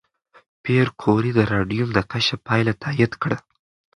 پېیر کوري د راډیوم د کشف پایله تایید کړه.